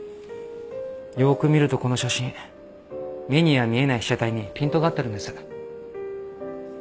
よく見るとこの写真目には見えない被写体にピントが合ってるんです。